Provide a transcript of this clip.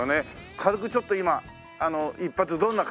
軽くちょっと今一発どんな感じだか。